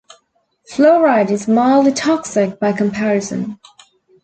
Fluoride is mildly toxic by comparison.